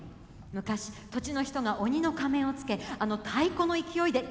昔土地の人が鬼の仮面をつけあの太鼓の勢いで敵を追い払ったの。